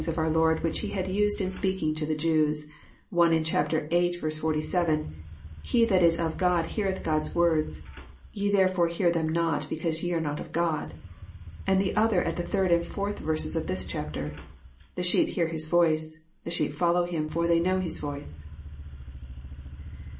of our Lord, which He had used in speaking to the Jews, one in chap. viii. 47 :*' He that is of God heareth God*s words : ye therefore hear them not, because ye are not of God ;" and the other at the third and fourth verses of this chapter :<' The sheep hear His voice "—" the sheep follow Him, for they know Hig voice."